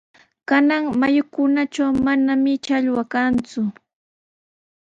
Kanan mayukunatraw mananami challwa kanku.